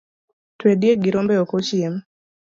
Twe diek gi rombe oko ochiem